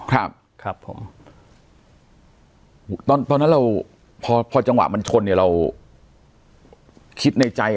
ครับครับผมตอนตอนนั้นเราพอพอจังหวะมันชนเนี่ยเราคิดในใจ